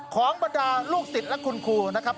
บรรดาลูกศิษย์และคุณครูนะครับ